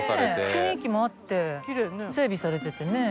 雰囲気もあって整備されててね。